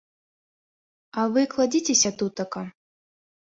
А вы кладзіцеся тутака.